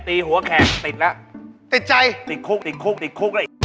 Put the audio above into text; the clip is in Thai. ติดแล้วติดใจติดคุกระอีก